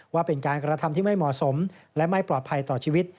ว่าเป็นการกระทำที่ไม่เหมาะสมและไม่ปลอดภัยต่อชีวิต